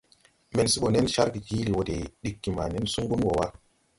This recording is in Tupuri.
Men se bɔ nen cargè jiili wɔ de diggi ma nen sungu wɔ wa.